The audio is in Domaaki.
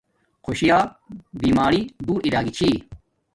خوشی یا بیماری دور ارا گی چھی